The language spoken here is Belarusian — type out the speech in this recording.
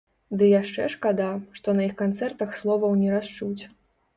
Ды яшчэ шкада, што на іх канцэртах словаў не расчуць.